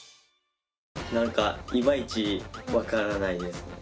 何かイマイチ分からないです。